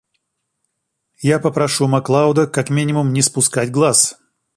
Я попрошу Маклауда как минимум не спускать глаз.